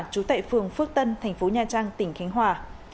trú tại phường phước tân tp nha trang tp khánh hòa